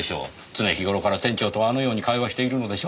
常日頃から店長とはあのように会話しているのでしょ？